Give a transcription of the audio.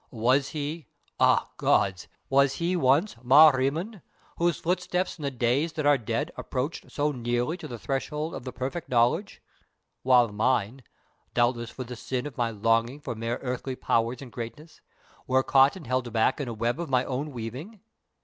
Was he ah Gods! was he once Ma Rim[=o]n, whose footsteps in the days that are dead approached so nearly to the threshold of the Perfect Knowledge, while mine, doubtless for the sin of my longing for mere earthly power and greatness, were caught and held back in a web of my own weaving?